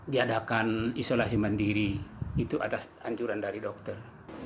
diadakan isolasi mandiri itu atas anjuran dari dokter